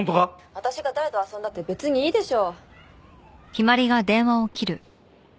私が誰と遊んだって別にいいでしょ。